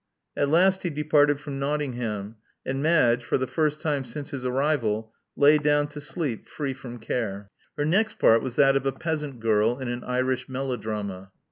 At last he departed from Nottingham; and Madge, for the first time since his arrival, lay down to sleep free from care. Her next part was that of a peasant girl in an Irish melodrama.